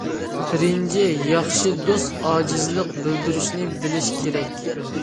بىرىنچى، ياخشى دوست ئاجىزلىق بىلدۈرۈشنى بىلىشى كېرەك.